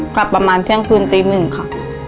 กลับประมาณเที่ยงคืนตีหนึ่งค่ะ